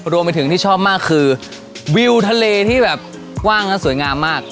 รวมไปถึงที่ชอบมากคือวิวทะเลที่แบบกว้างและสวยงามมาก